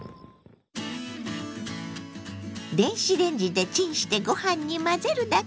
電子レンジでチンしてご飯に混ぜるだけ！